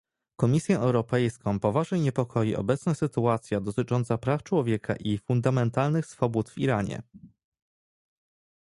Komisję Europejską poważnie niepokoi obecna sytuacja dotycząca praw człowieka i fundamentalnych swobód w Iranie